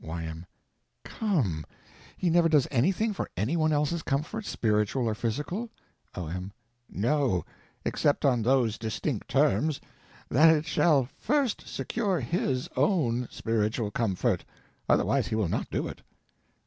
Y.M. Come! He never does anything for any one else's comfort, spiritual or physical? O.M. No. except on those distinct terms—that it shall first secure his own spiritual comfort. Otherwise he will not do it.